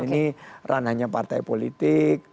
ini ranahnya partai politik